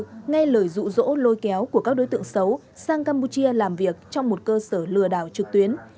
tháng một mươi hai năm hai nghìn bốn nghe lời rụ rỗ lôi kéo của các đối tượng xấu sang campuchia làm việc trong một cơ sở lừa đảo trực tuyến